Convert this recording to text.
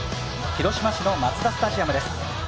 広島市のマツダスタジアムです。